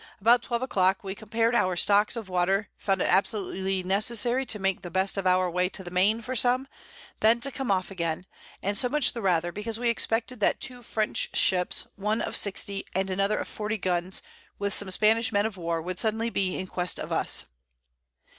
About 12 a Clock we compar'd our Stocks of Water, found it absolutely necessary to make the best of our way to the Main for some, then to come off again; and so much the rather, because we expected that 2 French Ships, one of 60, and another of 40 Guns, with some Spanish Men of War, would suddenly be in quest of us.